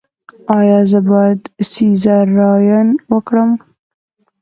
ایا زه باید سیزارین وکړم؟